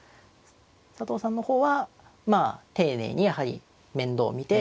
佐藤さんの方はまあ丁寧にやはり面倒を見て。